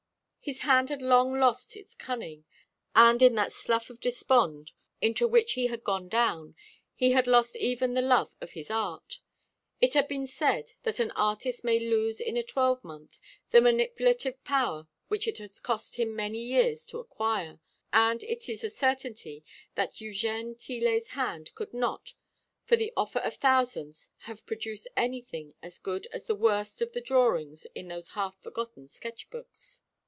His hand had long lost its cunning, and, in that slough of despond into which he had gone down, he had lost even the love of his art. It has been said that an artist may lose in a twelvemonth the manipulative power, which it has cost him many years to acquire; and it is a certainty that Eugène Tillet's hand could not, for the offer of thousands, have produced anything as good as the worst of the drawings in those half forgotten sketch books.